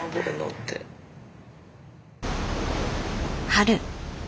春。